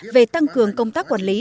về tăng cường công tác quản lý